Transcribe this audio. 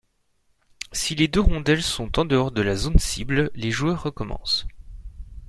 Si les deux rondelles sont en-dehors de la zone-cible, les joueurs recommencent.